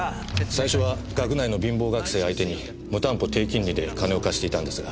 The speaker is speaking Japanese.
最初は学内の貧乏学生相手に無担保低金利で金を貸していたんですが。